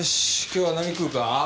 今日は何食うか？